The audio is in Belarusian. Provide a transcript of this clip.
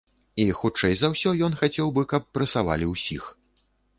І, хутчэй за ўсё, ён хацеў бы, каб прэсавалі ўсіх.